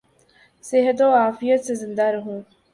صحت و عافیت سے زندہ رہوں